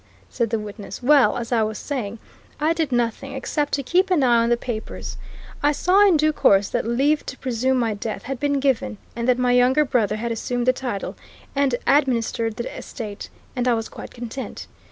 said the witness. "Well as I was saying, I did nothing except to keep an eye on the papers. I saw in due course that leave to presume my death had been given, and that my younger brother had assumed the title, and administered the estate, and I was quite content.